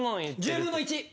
１０分の１！